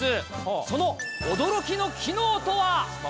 その驚きの機能とは。